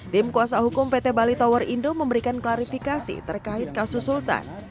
tim kuasa hukum pt bali tower indo memberikan klarifikasi terkait kasus sultan